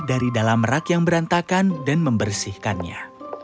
dari dalam rak yang berantakan dan membersihkannya